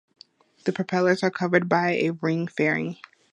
The propellers are covered by a ring fairing.